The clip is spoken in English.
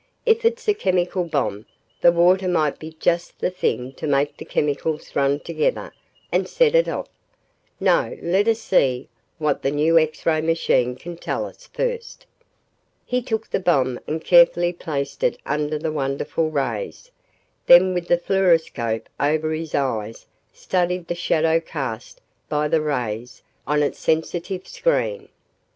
"If it's a chemical bomb, the water might be just the thing to make the chemicals run together and set it off. No, let us see what the new X ray machine can tell us, first." He took the bomb and carefully placed it under the wonderful rays, then with the fluoroscope over his eyes studied the shadow cast by the rays on its sensitive screen.